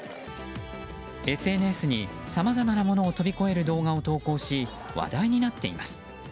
ＳＮＳにさまざまなものを飛び越える動画を投稿し話題になっています。